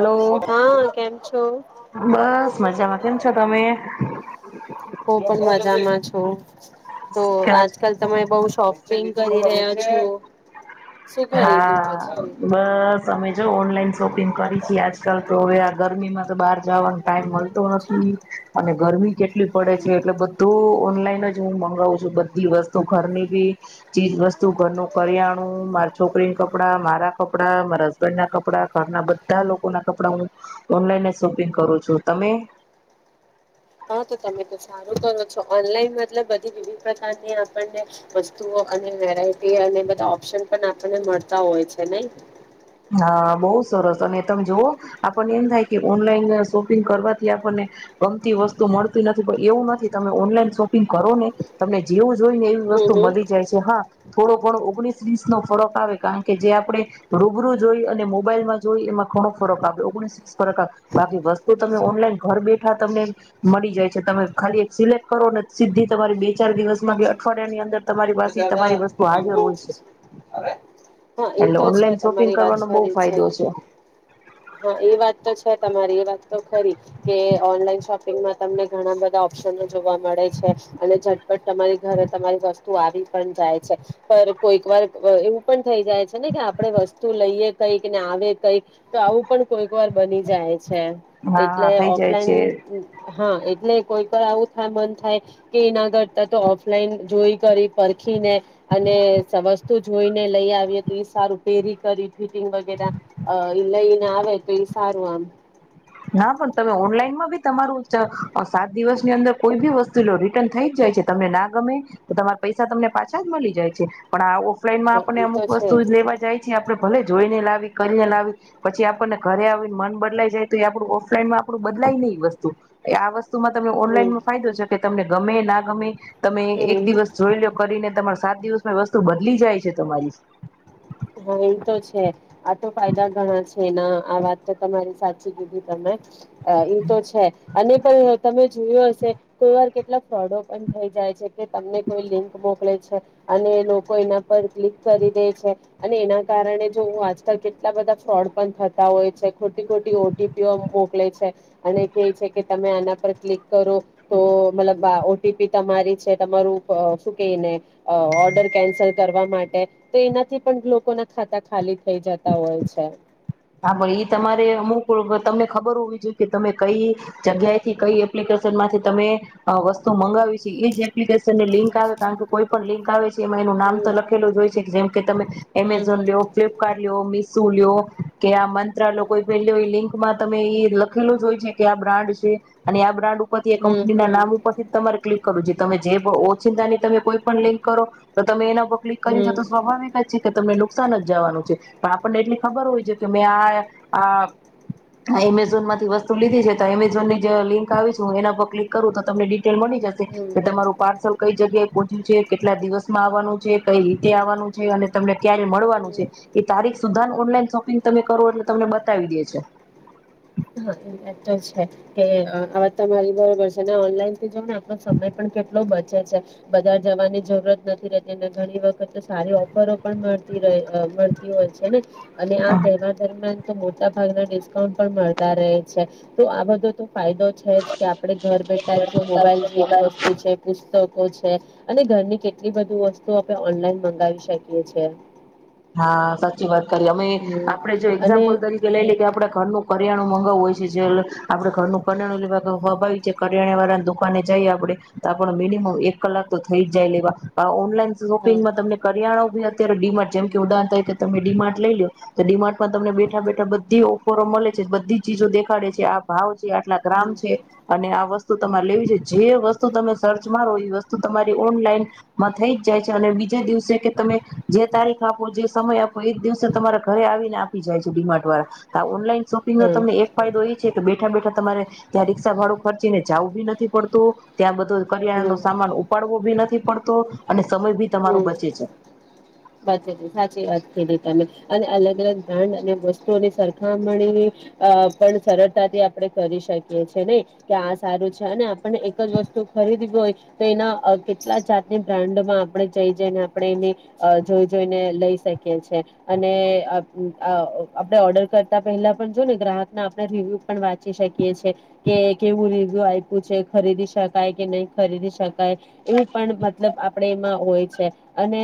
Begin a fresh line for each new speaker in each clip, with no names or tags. Hello
હા કેમ છો
બસ મજામાં કેમ છો તમે
હું પણ મજામાં છું તો આજકાલ તમે બઉ શોપિંગ કરી રહ્યા છો. શું ખરીદ્યું
હા
પછી
બસ અમે. જો ઓનલાન. શોપિંગ કરી છે આજકાલ તો હવે આ ગરમીમાં તો બહાર જવાનો ટાઈમ મળતો નથી અને ગરમી કેટલી પડે છે એટલે બધું ઓનલાઈન જ હું મગાવું છું બ બી વસ્તુ ઘરની બી ચીજ વસ્તુ ઘરનું કરિયાણું માર છોકરી કપડાં મારા કપડા મારા હબન્ડ ના કપડા ઘરના બધા લોકો ના કપડા હું ઓનલાઈન સોપિંગ કરું છું તમે.
હા તો તમે તો સારું કરો છો ઓનલાઈન મતલબ બધી વિવિધ પ્રકારની આપણને વસ્તુઓ અને વેરાયટી અને બધા ઓપ્શન પણ આપણને મળતા હોય છે નઇ.
હા બહુ સરસ અને તમે જોવ આપણને એમ થાય કે ઓનલાઈન શોપિંગ કરવાથી આપણને ગમતી વસ્તુ મળતી નથી પણ એવું નથી તમે ઓનલાઈન શોપિંગ કરો ને તમને જેવું જોઈ ને એવી
હમ
વસ્તુ
હમ
મળી જાય છે હા થોડો ઘણો ઓગણીસ ફરક આવે કારણ કે જે આપણે. રૂબરૂ જોઈ અને મોબાઈલમાં જોઈ એમાં ઘણો ફરક આવે ઓગણીસ વીસ ફરક આવે બાકી વસ્તુ તમે ઓનલાઈન ઘર બેઠા તમને મળી જાય છે તમે ખાલી એક સિલેક્ટ કરોને સીધી તમારી બે ચાર દિવસમાં કે અઠવાડિયાની અંદર.. તમારી
[unintelligible]
પાસે તમારી વસ્તુ હાજર હોય છે
હા
એટલે
એતો છે જ
ઓનલાઈન
તમા..
શોપિંગ
તમારી વાત
કરવાનો બહુ
સાચી છે
ફાયદો
હા એ વાત તો છે તમારી એ વાત તો ખરી.. કે ઓનલાઈન શોપિંગમાં તમને ઘણા બધા ઓપ્શનો જોવા મળે છે અને ઝટપટ તમારી ઘરે તમારી વસ્તુ આવી જ.. જાય છે પર કોઈક વાર એવું પણ થઈ જાય છે ને કે આપડે વસ્તુ લઈએ કઈક ને આવે કઈક તો આવું પણ.. કોઈક વાર બની જાય છે
હા હા
એટલે
થઈ જાય છે
ઓફલાઈન.. હા એટલે કોઈક આવું થાય મન થાય કે એ ના કરતા તો ઓફલાઈન જોઈ કરી.. રાખીને અને સમસ જોઈને લઈ આવીએ તો એ સારું પેરી કરી ફિટિંગ વગેરે લઈને આવે તો એ સારું આમ..
ના પણ તમે ઓનલાઈનમાં બી તમારું સાત દિવસની અંદર કોઈ બી વસ્તુ લો રિટર્ન થઈ જ જાય છે તમને ના ગમે તો તમારા પૈસા તમને પાછા જ મળી જાય છે પણ આ ઓ ફ લાનમાં
હા
આપણે
ઈ તો
અમુક
છે
વસ્તુ લેવા જાય છે આપણે.. ભલે જોઈને લાવી કરીને લાવી પછી આપણને ઘરે આવીને મન બદલાઈ જાય.. તો આપણું ઓફલાઈનમાં આપણું બદલાય નઈ વસ્તુ આ વસ્તુ વસ્તુમાં તમે
હમ
ઓનલાઈનમાં ફાયદો છે કે તમને.. ગમે ના ગમે તમે એક
હમ
દિવસ જોઈ લો કરીને તમાર સાત દિવસમાં વસ્તુ બદલી જાય છે તમારી..
હા એવું તો છે આ તો ફાયદા ઘણા છે એના આ વાત તો તમારી સાચી કીધી તમે.. ઈ એ તો છે, અને પણ તમે જોયો હશે કોઈ વાર કેટલા ફ્રોડો પણ થઈ જાય છે કે તમને કોઈ લિંક મોકલે છે, અને લોકો એના પર ક્લિક કરી દે છે. અને એના કારણે જો હું આજકાલ કેટલા બધા ફ્રોડ પણ થતા હોય છે, ખોટી ખોટી ઓટીપીઓ મોકલે છે અને કે છે કે તમે આના પર ક્લિક કરો તો મતલબ આ ઓટીપી તમારી છે તમારું શું કને ઓર્ડર કેન્સલ કરવા માટે તો એનાથી પણ લોકો ના ખાતા ખાલી થઈ જતા હોય છે.
હા પણ ઈ તમારે અમુક તમને ખબર હોવી જોઈએ કે તમે કઈ જગ્યા થી કઈ એપ્લિકેશન માંથી તમે વસ્તુ મંગાવી છે, એજ એપ્લિકેશન ને લિંક આવે કારણ કે કોઈ પણ લિંક આવે છે. માં એનું નામ તો લખેલું જ હોય છે, કે જેમ કે તમે
હમ હમ
એમેઝોન લો ફ્લિપકાર્ટ લ લો મિસ સૂલ્યો. કે આ મંત્રાલોકો એ પહેલી લિંક માં તમે એ લખેલું જોય છે, કે આ બ્રાન્ડ છે અને આ બ્રાન્ડ બધી એ
હમ
કંપની
હમ
નામ ઉપરથી તમારે ક્લિક [unintelligible] તમે જે ઓછિતાની તમે કોઈ પણ લિંક કરો તો તમે એના ક્લિક કર છે તો
હમ
સ્વાભાવિક જ છે કે તમને લોકો નુકસાન જ જવાનું છે પણ આપણને એટલી ખબર હોય છે. તમે આ આ એમેઝોન માંથી વસ્તુ લીધી છે તો એમેઝોન ની જે લિંક આવી છું એના પર ક્લિક કરું તો તમને ડીટેલ મળી જશે
હમ
કે
હમ
તમારું પાર્સલ કઈ જગ્યાએ પહોંચ્યું છે કેટલા દિવસ માં આવવાનું છે કઈ રીતે આવવાનું છે અને તમને ક્યારે મળવાનું
હમ
છે એ તારીખ સુધ ઓનલાઈન શોપિંગ તમે કરો એટલે તમને બતાવી દે છે
હા એ તો છે કે આ તમારી બરોબર છે ઓનલાઈન થી જ ને આપનો સમય પણ કેટલો બચે છે બજાર જવાની જરૂરત નથી રહેતીને ઘણી વખત સારી ઓફરો પણ મળતી રે મળતી હોય છે ને અને આ તહેવાર દરમિયાન તો મો ટા ભાગના ડીસકાઉન્ટ પણ મળ ટા રે છે તો આ બધું તો ફાયદો છે જ કે આપણે ઘર બેઠા જ મોબાઈલ જેવી
હ
વસ્તુ છે પુસ્તક છે અને ઘરની કેટલી બધી વસ્તુ આપણે ઓનલાઈન મંગાવી શકીએ છે
હા સાચી વાત અમે આપડે જો
અને
એક્ઝામ્પલ તરીકે લઈ
હમ
લએ કે આપડે ઘરનું કરિયાણું મગાવવું હોય આપડે ઘરનું કરણું લેવા સ્વાભાવિક છે કરિયાણા વાળા દુકાને જઈ આપડે તો આપ મિનિમમ એક કલાક તો થઈ જ જાય લેવા ઓનલાઈન
હમ
શોપિંગમાં તમને કરીયાણાો બી [unintelligible] જેમ કે ઉદાહરણ તરીકે કે તમે ડીમાર્ટ લઈ લ તો ડીમાર્ટમાં તમને બેઠા બેઠા બધી ઓફરો મળે છે બધી ચીજો દેખાડે છે આ ભાવ છે આટલા
હમ
ગ્રામ છે અને આ વસ્તુ તમારે લેવી છે જે વસ્તુ તમે સર્ચ મારો એ વસ્તુ તમારી ઓનલાઈનમાં થઈ જ જાય છે અને બીજા દિવસે કે તમે જે તારિક આપો જે સમય આપો એ જ દિવસે તમારા ઘરે આવીને આપી જાય છે ડીમાડ વાળા ઓનલાઈન શોપિંગ નો
હમ
તમને એક ફાયદો એ છે તો બેઠા બેઠા તમારે ત્યાં રીક્ષા ભાડું ખર્ચી ને જવું બી નથી પડતું ત્યાં બધ કરિયાણા
હમ
નો સામાન ઉપાડવો બી નથી નથી પડતો અને સમય ભી તમારો
હમ
બચે છે
સાચી વાત કઘી તમે અને અલગ અલગ બ્રાન્ડ અને વસ્તુઓની સરખામણી અ પણ સરળતાથી આપણે કરી શકીએ છીએ નઈ કે આ સારું છે અને આપણને એક જ વસ્તુ ખરીદવી હોય તો એના કેટલા જાતની બ્રાન્ડમાં આપણે જઈ જઈને આપણે એની અ જોઈ જોઈને લઈ શકીએ છે અને આપણે ઓર્ડર કરતા પહેલા પણ જો ને ગ્રાહકના આપણે રિવ્યુ પણ વાંચી શકીએ છી કે કેવું રિવ્યુ આપ્યું છે ખરીદી શકાય કે નહી ખરીદી શકાય એવું પણ મતલબ આપણે એમાં હોય છે અને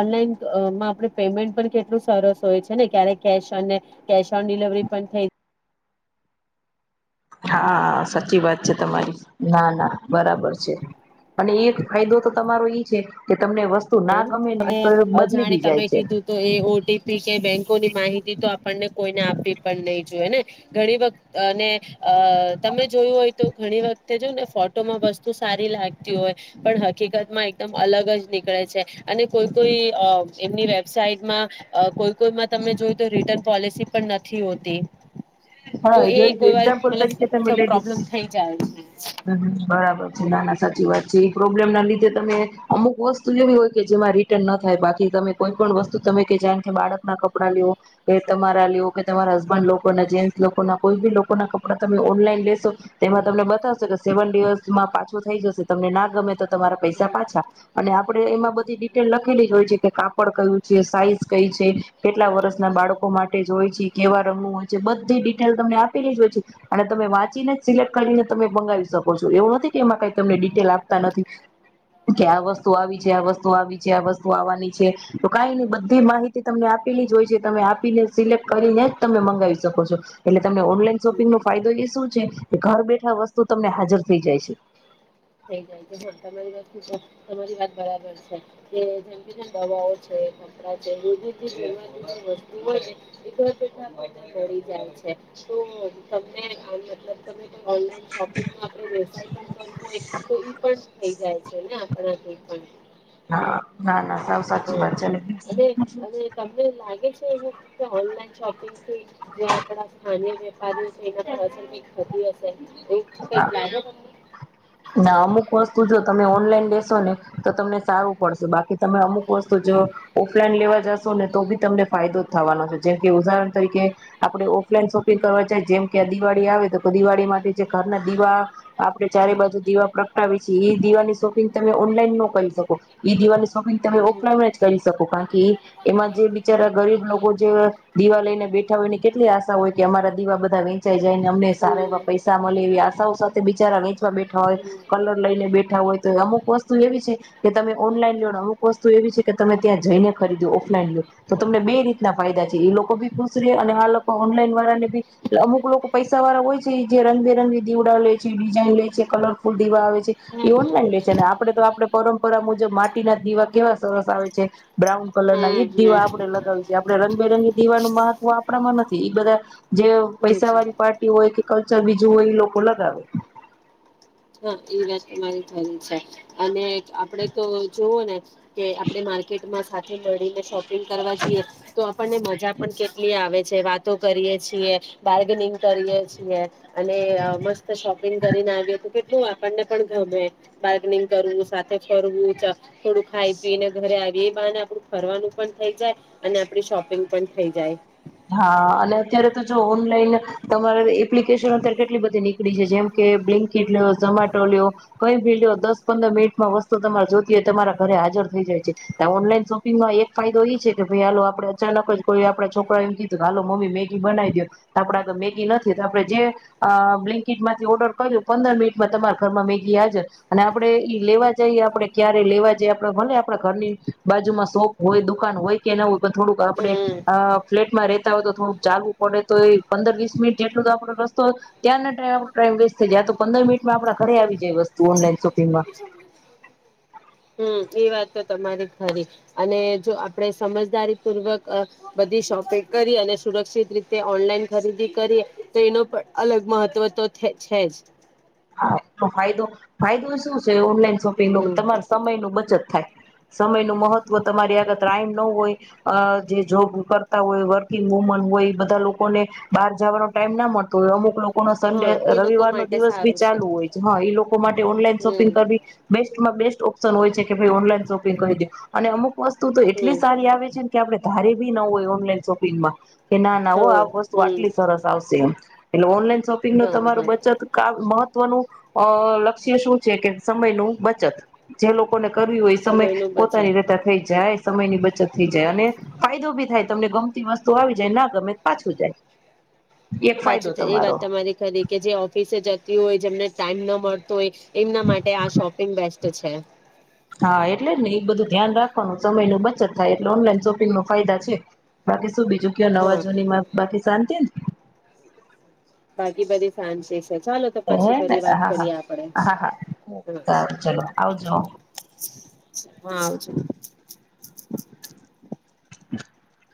ઓનલાઈનમાં આપણે પેમેન્ટ પણ કેટલું સરસ હોય છે, ને ક્યારે કેશ અને કેશ ઓન ડિલિવરી પણ થઈ
હા સાચી વાત છે, તમારી ના ના બરાબર છે, અને એક ફાયદો તો તમારો એ છેકે
અને અજાણી
બી જાય
તમે
છે.
કીધું તો એ ઓટીપી કે બેંકોની માહિતી તો આપણને કોઈને આપી પણ નહી જોએ ને ઘણી વખત અને અ તમે જોયું હોય તો ઘણી વખતે જો ને ફોટો માં વસ્તુ સારી લાગે [unintelligible] પણ હકીકત માં એકદમ અલગ જ નીકળે છે, અને કોઈ કોઈ એમની વેબસાાઈટમાં કોઈ કોઈ તમે જોય તો રિટર્ન પોલિસી પણ નથી હોતી
હા
તો એ
જો
કોઈ વાર
એઝામ્પલ તરીકે તમે
મતલબ પ્રોબ્લેમ થઈ જાય છે
[unintelligible] બરાબર નાના સાચી વાત છે, એ પ્રોબ્લેમ ના લીધે તમે અમુક વસ્તુ એવી હોય કે જેમાં રિટર્ન ના થાય બાકી તમે કોઈ પણ વસ્તુ તમે કે જાણ કે બાળક ના કપડાં [unintelligible] કે તમારા [unintelligible] કે તમારા હસબન્ડ લોકો ના જે લોકો ના કોઈ બી લોકો ના કપડા તમે ઓનલાઈન લેશો તેમાં તમને બતાવશો કે સેવન ડેઝમાં પાછું થઈ જશે તમને ના ગમે તમારા પૈસા
હમ
પાછા અને આપડણે એમાં બધી ડિટેલ લખેલી જોય છે, કે કાપડ કયું છે, સાઈઝ કઈ છે, કેટલા વર્ષના બાળકો માટે જો હોય છે, કેવા રંગનું હોય છે, બ બધી ડિટેલ તમને આપેલી જ હોય છે, અને તમે વાંચીને જ સિલેક્ટ કરીને તમે મંગાવી શકો છો એવું નથી કે એમાં કઈ તમને ડિટેલ આપતા નથી કે આ વસ્તુ આવી છે આ વસ્તુ આવી છે, આ વસ્તુ આવવાની છે, તો કઈ ની બધી માહિતી તમને આપેલી જ હોય છે, તમે આપીને સિલેક્ટ કરીને જ તમે મંગાવી શકો છો. [unintelligible] તને ઓનલાઈન
હમ
શોપિંગો ફાયદો [unintelligible] ઘર બેઠા વસ્તુ તમને હાજર થઈ જાય છે.
થઈ જાય છે, તમારી તમારી વાત બરાબર છે, કે જેમ કે જે દવાઓ છે કપડા છે, [inaudible] જાય છે, તો તમને આ મતલબ [unintelligible] ઓનલાઈન શોપિંગ આપણે [unintelligible] [inaudible] તો ઈ પણ થઈ જાય છે, ને આપણાથી પણ
[inaudible]
હા
વાત છે અને
[unintelligible] અને તમને લાગે છે, એવું કે ઓનલાઈન શોપિંગથી જે [unintelligible] [inaudible] [unintelligible] હશે. [inaudible]
[unintelligible] તમે અમુક વસ્તુ જો તમે ઓનલાઈન લેશોને તો તમને. [unintelligible] બાકી તમે અમુક વસ્તુ જો ઓફલાઈન લેવા જશોને તો બી તમને ફાયદો થાવાનો છે, જેમકે ઉદાહરણ તરીકે [inaudible] દીવા પ્રગટાવે છે એ દીવાની શોપિંગ તમે ઓનલાઈન ન કરી શકો દીવાની શોપિંગ તમે ઓફલાઈન જ કરી શકો કારણ કે એમાં જે બિચારા ગરીબ લોકો જે દીવા લઈને બેઠા હોય એની કેટલી આશા હોય કે અમારા દીવા બધા વેંચાઈ જાય ને અમને સારા એવા પૈસા મળે એવી આશાઓ સાથે બિચારા વેચવા બેઠા હોય કલર લઈને બેઠા હોય તો અમુક વસ્તુ એવી છે કે તમે ઓનલાઈન લો ને અમુક વસ્તુ એવી છે, કે તમે ત્યાં જઈને ખરીદ્યો ઓફલાઈન લો તો તમને બે રીતના ફાયદા છે, એ લોકો ભી ખુશ રહે અને આ લોકો ઓનલાઈન વાળાને બી અમુક લોકો પૈસા વાળા હોય છે, જે રંગબેરંગી દીવડા લે છે, ડિઝઇન લે [unintelligible] કલરફુલ દીવા આવે છે, એ ઓનલાઈન લે છે, ને આપડે તો આપડ પરંપરા મુજબ માટીના દીવા કેવા સરસ આવે છે, બ્રાઉન કલર એ દીવા આપડે લગાવીશ આપડણે રંગબેરંગી દીવાનું મહત્વ આપણામાં નથી એ બધા જે પૈસા
નથી
વાળી પાર્ટી હોય કે [unintelligible] બીજું હોય એ લોકો લગાવે
[unintelligible] છે, અને આપડે તો જોવો ને કે આપણે માર્કેટમાં શા થે મળીને શોપિંગ કરવા જઈએ તો આ આપણને મજા પણ કેટલી આવે છે વાતો કરીએ છીએ, બાર્ગેર્નિંગ કરીએ છીએ અને અ મસ્ત શોપિંગ કરીને આવીએ તો કે ટલુ આપણને પણ ગમે બાર્ગનિંગ કરવું, સાથે ફરવું, ચ થોડું ખાઈ પી ને ઘરે આવીએ એ બહાને આપણું ફરવાનું પણ થઈ જાય અને આપણી શોપિંગ પણ થઈ જાય.
હા અને અત્યારે તો જો ઓનલાઈન તમારે એપ્લિકેશન અત્યારે કેટલી બધી નીકળી છે જેમ કે બ્લિન્કીટ લ્યો, ઝમાટો લ્યો, કઈ ભી લ્યો દસ પંદર મિનિટમાં વસ્તુ તમારે જોતી હોય તમારા ઘરે હાજર થઈ જાય છે આ ઓનલાઈન શોપિંગમાં એક ફાયદો એ છે કે ભાઈ આાલો આપડે અચાનક જ કોઈ આપણા છોકરાઓ એમ કીધું હાલો મમ્મી મેગી બનાઈ દયો તો આપડા આગળ મેગી નથી તો આપડે જે અ બ્લિન્કિટ માંથી ઓર્ડર કરયો પંદર મિનિટમાં તમારા ઘરમાં મેગી હાજર અને આપડે ઈ લેવા જાઈએ આપણે ક્યારે લેવા જઈએ આપડે ભલે આપણા ઘરની બાજુમાં શોપ હોય, દુકાન હોય કે ના હોય પણ થોડુંક આપણેે
હમ
ફ્લેટ માં રેતા હોય તો થોડુંક ચાલવું પડે તો એ પંદર વીસ મિનિટ જેટલો તો આપો રસ્તો ત્યાં ન ટાઈમ વેસ્ટ થઈ જાય આ તો પંદર મિનિટમાં આપણા ઘરે આવી જાય વસ્તુ ઓનલાઈન શોપિંગમાં.
હમ્મ, એ વાત તો તમારી ખરી અને જો આપણે સમજદારીપૂર્વક અ બધી શોપિંગ કરીએ અને સુરક્ષિત રીતે ઓનલાઈન ખરીદી કરીએ તો એનો પણ અલગ મહત્વ તો છે જ.
હા એ ફાયદો ફાયદો શું છે ઓનલાઇન શોપિંગનુ
હમ
તમાર સમયનું બચત થાય સમયનું મહત્વ તમારી આગળ ત્રાઈમ ન હોય અ જે જોબુ કરતા હોય, વર્કિંગ વુમન હોય ઈ બધા લોકોને બહાર જાવાનો ટાઈમ ના મળતો હોય અમુક લોક કોનો સંડે
હા એ લોકો
રવિવારનો
માટે
દિવસ બી
સારું
ચાલુ હોય છે હ એ લોકો માટે ઓનલાઈન શોપિંગ
હમ
કરવી બેસ્ટ બેસ્ટ ઓપ્શન હોય છે કે ભઈ ઓનલાઈન શોપિંગ કરી દે અને અમુક વસ્તુ તો એટલી
હમ
સારી આવે છે ન કે આપણે ધારી બી ન હોય ઓનલાઈન શોપિંગમાં. કે ના ના હો
હા
આ વસ્તુ
હમ
આટલી સરસ આવશે. એટલે ઓનલાઈન શોપિંગનુ
હા
તમારું
હા
બચત કાવ મહત્વનું અ લક્ષ્ય શું છે કે સમયનું બચત જે લોક કોને કરવી હોય સમય
નો બચાવ
પોતાની રીતે થઈ જાય. સમયની બચત થઈ જાય અને ફાયદો બી થાય તમને ગમતી વસ્તુ આવી જાય ના ગમે તો પાછું જાય. એક
પાછી
ફાયદો
તો એ વાત
તમારો
તમારી ખરી કે જે ઓફિસે જત તી હોય જેમને ટાઈમ ન મળતો હોય એમના માટે આ શોપિંગ બેસ્ટ. તો છે.
હા એટલે જ ને ઈ બધું ધ્યાન રાખવાનું સમયનું બચત થાય એટલે ઓનલાઈન શોપિંગમાં ફાયદા છે બાકી શું બીજું કયો નવા
હા
જૂનીમાં બાકી શાંતિ ન?
બાકી બધી શાંતિ છે. ચાલો તો
હે
પછી
ને
ફરી વાત
હા હા
કરીએ આપડે
હા હા
હ
સારું ચલો આવજો
હા આવજો. [inaudible]
હ [inaudible]